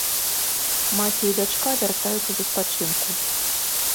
Маці і дачка вяртаюцца з адпачынку.